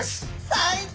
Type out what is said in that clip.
最高！